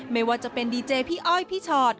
ไม่ว่าจะเป็นดีเจพี่อ้อยพี่ชอต